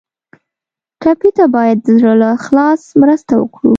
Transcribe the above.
ټپي ته باید د زړه له اخلاص مرسته وکړو.